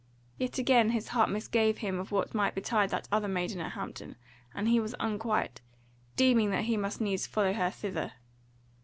Yet again his heart misgave him of what might betide that other maiden at Hampton, and he was unquiet, deeming that he must needs follow her thither.